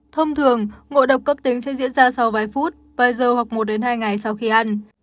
thông thường ngộ độc cấp tính sẽ diễn ra sau vài phút vài giờ hoặc một đến hai ngày sau khi ăn